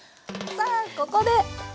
さあここで！